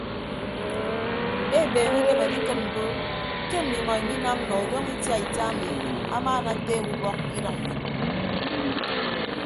Ebeeñe idem adikịt mbo ke mmimọ iminam nọ udọñọ itiaita ami amaana ateek ubọk ke idʌñ nnyịn.